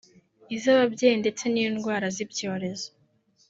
iz’ababyeyi ndetse n’indwara z’ibyorezo